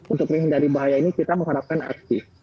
untuk menghindari bahaya ini kita mengharapkan aksi